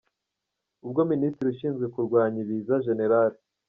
Ubwo Minisitiri ushinzwe kurwanya Ibiza, Gen.